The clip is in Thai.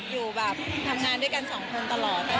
เขารู้แล้วใช่มั้ยท่านว่าต้องเดินคนเดียว